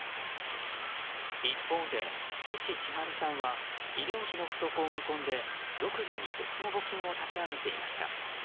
一方で、父・智春さんは医療費の不足を見込んで独自に別の募金を立ち上げていました。